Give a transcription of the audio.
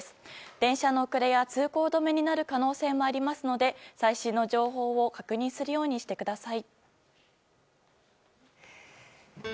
電車の遅れや通行止めになる可能性もありますので最新の情報を確認するようにしてください。